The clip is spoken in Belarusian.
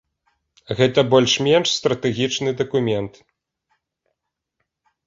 Гэта больш-менш стратэгічны дакумент.